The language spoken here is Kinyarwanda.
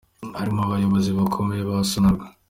ari mu bayobozi bakomeye ba Sonarwa.